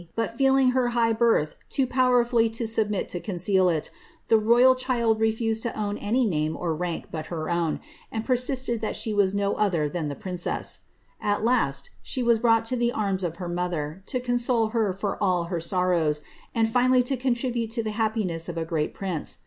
bat feeling iter high birth too powerfully to Mibmit to coiireal it, the royal child refused to ciwn any name or rank but her own, and persisted that ithe was no other than the princess.* At last, she was brought to the arms of her motlier, to cooiole her for all her sorrows, and finally to contribute to Uie happiness of a great prince.